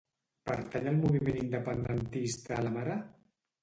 Pertany al moviment independentista la Mara?